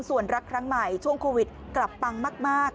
ส่วนรักครั้งใหม่ช่วงโควิดกลับปังมาก